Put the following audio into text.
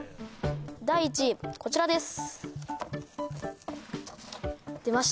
第１位こちらです